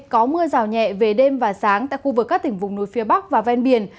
có mưa rào nhẹ về đêm và sáng tại khu vực các tỉnh vùng núi phía bắc và ven biển